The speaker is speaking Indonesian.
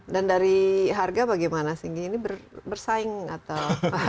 dan dari harga bagaimana sih ini bersaing atau